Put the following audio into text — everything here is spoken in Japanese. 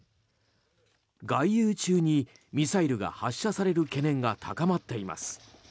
外遊中にミサイルが発射される懸念が高まっています。